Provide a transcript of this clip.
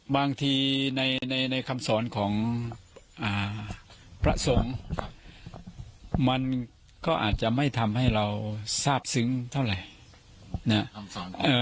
บางทีในในในในคำสอนของอ่าพระสงฆ์ครับมันก็อาจจะไม่ทำให้เราทราบซึ้งเท่าไหร่น่ะคำสอนเอ่อ